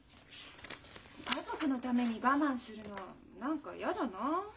家族のために我慢するの何か嫌だな。